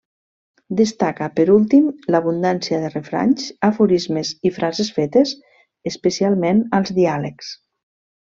Destaca per últim l'abundància de refranys, aforismes i frases fetes, especialment als diàlegs.